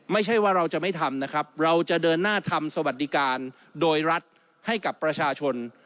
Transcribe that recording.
ไม่ใช่ว่าเราจะไม่ทำนะครับเราจะเดินหน้าทำสวัสดิการโดยรัฐให้กับประชาชน